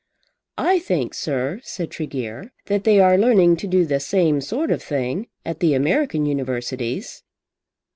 "I think, sir," said Tregear, "that they are learning to do the same sort of thing at the American Universities."